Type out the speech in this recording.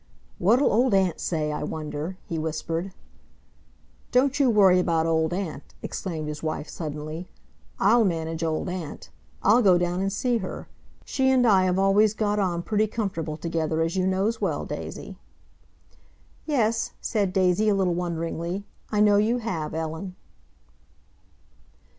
"What'll Old Aunt say, I wonder?" he whispered. "Don't you worry about Old Aunt," exclaimed his wife suddenly. "I'll manage Old Aunt! I'll go down and see her. She and I have always got on pretty comfortable together, as you knows well, Daisy." "Yes," said Daisy a little wonderingly. "I know you have, Ellen."